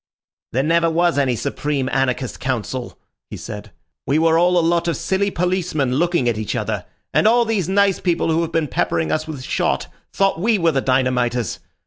"There never was any Supreme Anarchist Council," he said. "We were all a lot of silly policemen looking at each other. And all these nice people who have been peppering us with shot thought we were the dynamiters.